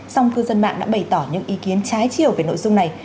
song cư dân mạng đã bày tỏ những ý kiến trái chiều về nội dung này